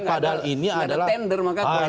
karena tidak ada tender maka kualitas turun